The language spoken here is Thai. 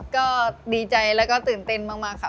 ก็ดีใจแล้วก็ตื่นเต้นมากค่ะ